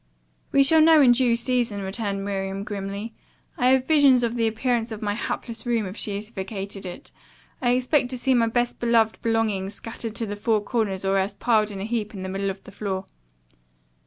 "We shall know in due season," returned Miriam grimly. "I have visions of the appearance of my hapless room, if she has vacated it. I expect to see my best beloved belongings scattered to the four corners or else piled in a heap in the middle of the floor."